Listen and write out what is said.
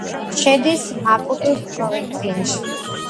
შედის მაპუტუს პროვინციაში.